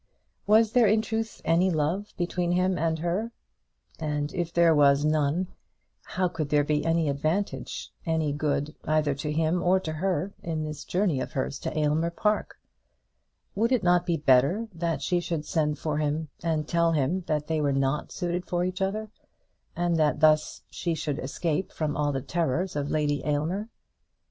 Was there in truth any love between him and her? And if there was none, could there be any advantage, any good either to him or to her, in this journey of hers to Aylmer Park? Would it not be better that she should send for him and tell him that they were not suited for each other, and that thus she should escape from all the terrors of Lady Aylmer?